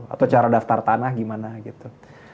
atau cara daftar tanah gimana gitu